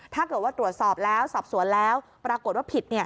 ถ้าเกิดว่าตรวจสอบแล้วสอบสวนแล้วปรากฏว่าผิด